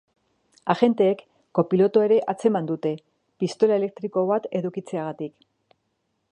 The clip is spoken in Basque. Agenteek kopilotua ere atzeman dute, pistola elektriko bat edukitzeagatik.